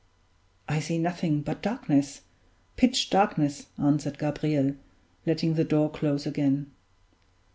"I see nothing but darkness pitch darkness," answered Gabriel, letting the door close again.